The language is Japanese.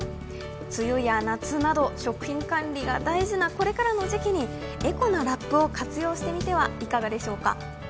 梅雨や夏など、食品管理が大事なこれからの時期にエコなラップを活用してみてはいかがでしょうか？